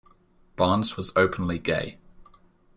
Barnes was openly gay.